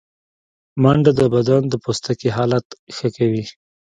منډه د بدن د پوستکي حالت ښه کوي